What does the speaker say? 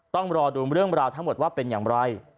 ต้องรอดูเรื่องราวทั้งหมดว่าเป็นอย่างไร